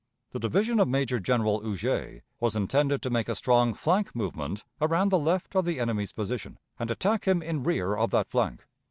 ... The division of Major General Huger was intended to make a strong flank movement around the left of the enemy's position, and attack him in rear of that flank.